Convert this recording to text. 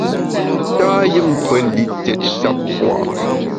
Tâyùmpelitiét shap pua’.